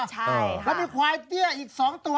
ใช่แล้วมีควายเตี้ยอีก๒ตัว